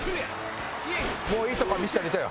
もういいとこは見せてあげてよ。